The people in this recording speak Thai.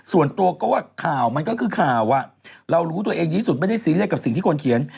ส่วนตัวก็ว่าข่าวมันก็คือข่าวเรารู้ตัวเองที่สุดไม่ได้ซีเรียสกับสิ่งที่คนเขียน